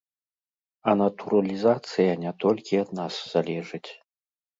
А натуралізацыя не толькі ад нас залежыць.